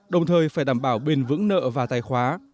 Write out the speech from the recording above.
đồng thời phải đảm bảo bền vững nợ và tài khoá